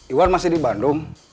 iwan masih di bandung